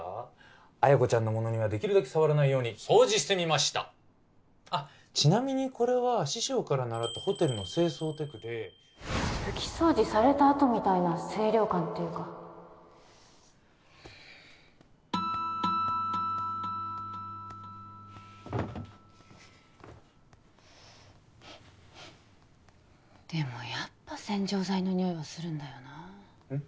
彩子ちゃんのものにはできるだけ触らないように掃除してみましたあっちなみにこれは師匠から習ったホテルの清掃テクで拭き掃除されたあとみたいな清涼感っていうかでもやっぱ洗浄剤のニオイはするんだよなうん？